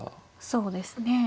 そうですね。